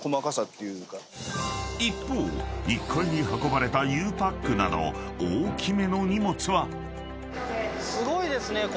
［一方１階に運ばれたゆうパックなど大きめの荷物は］